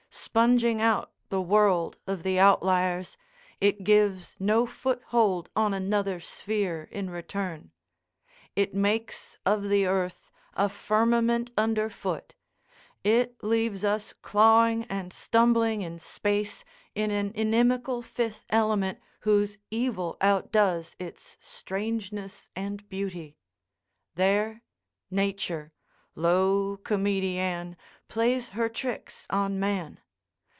Sponging out the world of the outliers, it gives no foothold on another sphere in return. It makes of the earth a firmament under foot; it leaves us clawing and stumbling in space in an inimical fifth element whose evil outdoes its strangeness and beauty, There Nature, low comedienne, plays her tricks on man.